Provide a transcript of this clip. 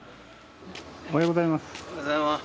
おはようございます。